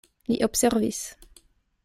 Li observis.